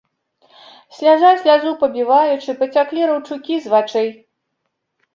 Сляза слязу пабіваючы, пацяклі раўчукі з вачэй.